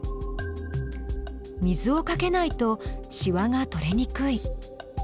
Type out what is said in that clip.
水をかけないとしわが取れにくい。